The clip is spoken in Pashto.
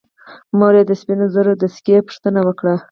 مور یې د سپینو زرو د سکې پوښتنه وکړه.